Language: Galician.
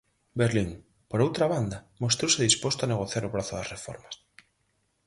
Berlín, por outra banda, mostrouse disposto a negociar o prazo das reformas.